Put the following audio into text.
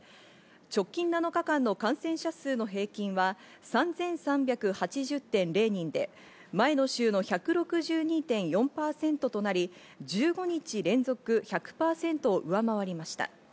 直近７日間の感染者数の平均は３３８０．０人で、前の週の１６２．４％となり、１５日連続１００％を上回りました。